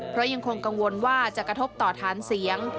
เพราะยังคงกังวลว่าจะกระทบต่อฐานเสียง